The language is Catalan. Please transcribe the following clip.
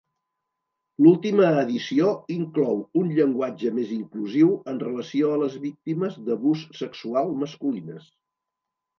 L"última edició inclou un llenguatge més inclusiu en relació a les víctimes d"abús sexual masculines.